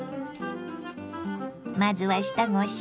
まずは下ごしらえ。